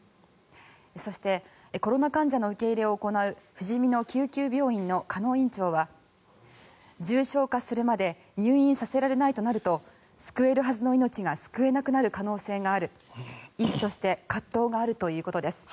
そして、コロナ患者の受け入れを行うふじみの救急病院の鹿野院長は重症化するまで入院させられないとなると救えるはずの命が救えなくなる可能性がある医師として葛藤があるということです。